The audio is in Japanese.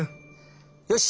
よし！